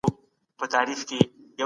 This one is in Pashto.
پوهه د روښانه سبا پيغام دی.